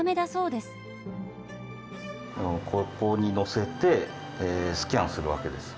ここに乗せてスキャンするわけです。